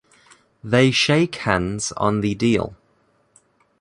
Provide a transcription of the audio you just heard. They shake hands on the deal.